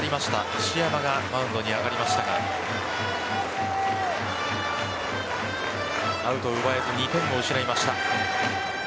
石山がマウンドに上がりましたがアウトを奪えず２点を失いました。